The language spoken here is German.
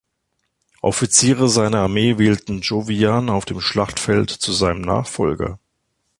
Offiziere seiner Armee wählten Jovian auf dem Schlachtfeld zu seinem Nachfolger.